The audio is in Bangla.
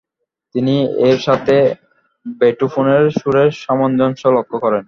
তিনি এর সাথে বেটোফেনের সুরের সামঞ্জস্য লক্ষ্য করেন।